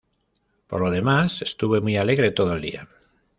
Por lo demás, estuve muy alegre todo el día.